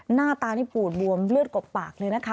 หน้าตานี่ปูดบวมเลือดกบปากเลยนะคะ